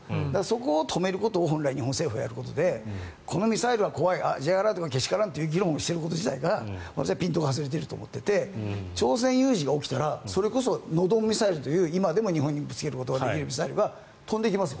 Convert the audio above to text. そこを止めることが本来、日本政府がやることでこのミサイルは怖いＪアラートが遅いというのは私はピントが外れていると思っていて朝鮮有事が起こったらノドンミサイルという日本にぶつけることができるミサイルが飛んできますよ。